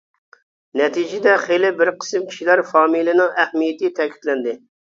نەتىجىدە خېلى بىر قىسىم كىشىلەر فامىلىنىڭ ئەھمىيىتى تەكىتلەندى.